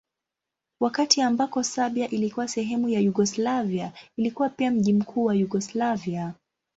Wakati ambako Serbia ilikuwa sehemu ya Yugoslavia ilikuwa pia mji mkuu wa Yugoslavia.